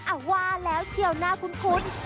อ่ะว่าแล้วเชียวหน้าคุ้น